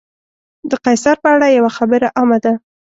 د قیصر په اړه یوه خبره عامه ده.